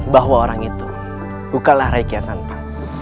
bahwa orang itu bukanlah raikian santa